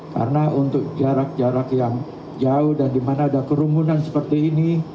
karena untuk jarak jarak yang jauh dan dimana ada kerumunan seperti ini